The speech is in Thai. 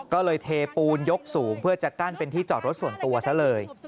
ก็เลยเทปูนยกสูงเพื่อจะกั้นเป็นที่จอดรถส่วนตัวซะเลย